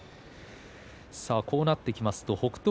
こうなってきますと北勝